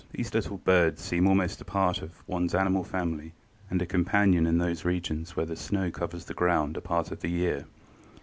These little birds seem almost a part of one's animal family, and a companion in those regions where the snow covers the ground a part of the year.